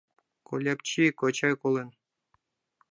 — Кольапчи кочай колен.